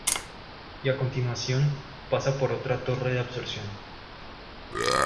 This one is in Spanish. Y a continuación pasa por otra torre de absorción.